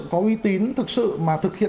có uy tín thực sự mà thực hiện